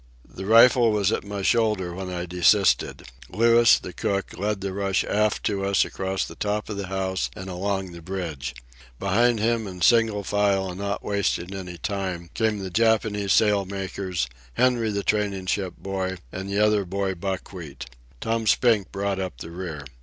The rifle was at my shoulder when I desisted. Louis, the cook, led the rush aft to us across the top of the house and along the bridge. Behind him, in single file and not wasting any time, came the Japanese sail makers, Henry the training ship boy, and the other boy Buckwheat. Tom Spink brought up the rear.